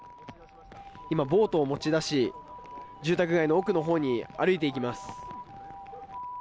今、ボートを持ち出し住宅街の奥のほうに歩いていきます。